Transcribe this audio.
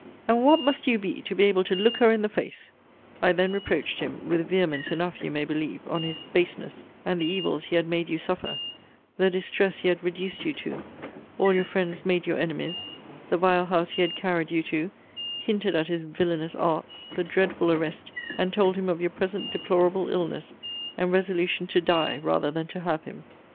And what must you be, to be able to look her in the face? I then reproached him (with vehemence enough you may believe) on his baseness, and the evils he had made you suffer: the distress he had reduced you to; all your friends made your enemies: the vile house he had carried you to; hinted at his villanous arts; the dreadful arrest: and told him of your present deplorable illness, and resolution to die rather than to have him.